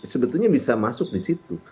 sebetulnya bisa masuk disitu